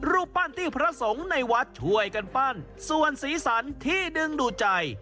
รูปปั้นที่พระสงฆ์ในวัดช่วยกันปั้นส่วนสีสันที่ดึงดูดใจ